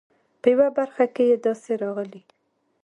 په یوه برخه کې یې داسې راغلي.